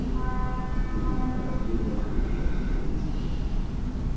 La fioritura avviene nel periodo tra aprile e giugno.